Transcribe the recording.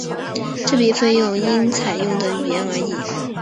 这笔费用因所采用的语言而异。